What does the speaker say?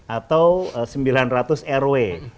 atau sembilan ratus rw